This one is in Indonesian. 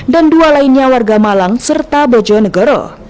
dan dua lainnya warga malang serta bojonegoro